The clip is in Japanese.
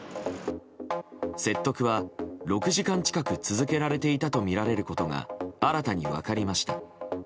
説得は６時間近く続けられていたとみられることが新たに分かりました。